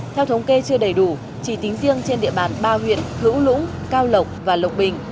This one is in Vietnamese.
theo thống kê chưa đầy đủ chỉ tính riêng trên địa bàn ba huyện hữu lũng cao lộc và lộc bình